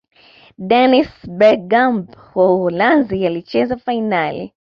dennis berkgamp wa uholanzi alicheza fainali